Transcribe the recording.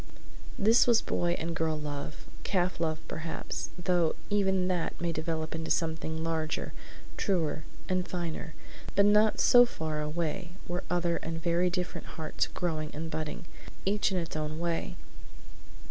III This was boy and girl love, calf love, perhaps, though even that may develop into something larger, truer, and finer; but not so far away were other and very different hearts growing and budding, each in its own way.